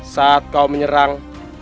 saat kau menyerang